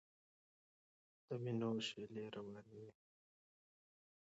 د وینو شېلې روانې وې.